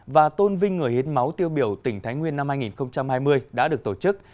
và tôn vinh người hiến máu tiêu biểu tỉnh thái nguyên năm hai nghìn hai mươi đã được tổ chức